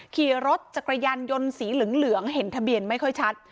ขี่รถจักรยานยนต์สีเหลืองเห็นทะเบียนไม่ค่อยชัด